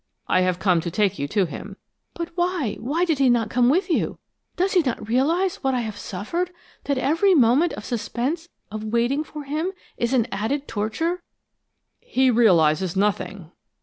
I have come to take you to him." "But why why did he not come with you? Does he not realize what I have suffered that every moment of suspense, of waiting for him, is an added torture?" "He realizes nothing."